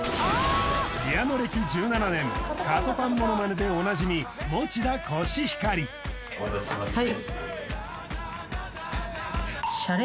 ピアノ歴１７年カトパンものまねでおなじみお渡ししますね